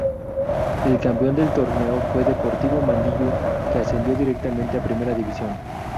El campeón del torneo fue Deportivo Mandiyú, que ascendió directamente a Primera División.